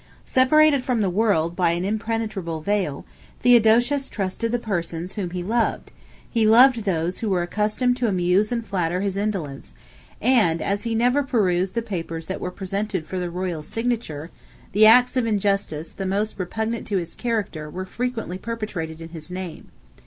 Separated from the world by an impenetrable veil, Theodosius trusted the persons whom he loved; he loved those who were accustomed to amuse and flatter his indolence; and as he never perused the papers that were presented for the royal signature, the acts of injustice the most repugnant to his character were frequently perpetrated in his name.